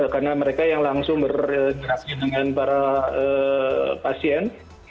karena mereka yang langsung bergerak dengan para pasien